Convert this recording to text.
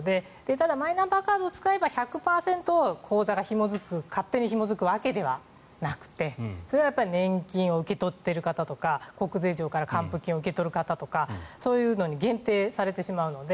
ただ、マイナンバーカードを使えば１００％、口座が勝手にひも付くわけではなくてそれは年金を受け取っている方とか国税庁から還付金を受け取る方とかそういうのに限定されてしまうので。